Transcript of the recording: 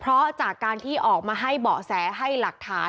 เพราะจากการที่ออกมาให้เบาะแสให้หลักฐาน